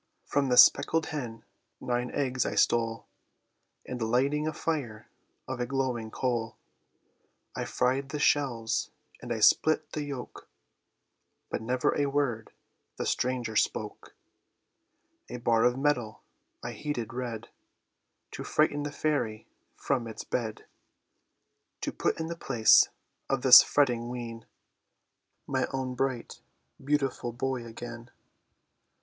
"From the speckled hen nine eggs I stole, And lighting a fire of a glowing coal, I fried the shells, and I spilt the yolk; But never a word the stranger spoke: "A bar of metal I heated red To frighten the fairy from its bed, To put in the place of this fretting wean My own bright beautiful boy again.